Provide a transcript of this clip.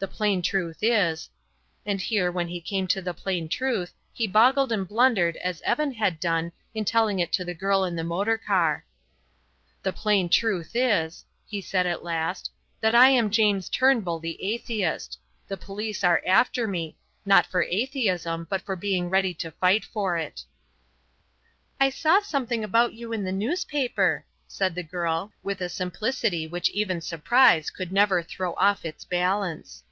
The plain truth is," and here when he came to the plain truth he boggled and blundered as Evan had done in telling it to the girl in the motor car. "The plain truth is," he said at last, "that I am James Turnbull the atheist. The police are after me; not for atheism but for being ready to fight for it." "I saw something about you in a newspaper," said the girl, with a simplicity which even surprise could never throw off its balance.